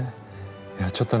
いやちょっとね